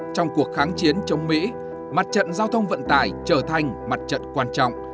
trong cuộc kháng chiến chống mỹ mặt trận giao thông vận tải trở thành mặt trận quan trọng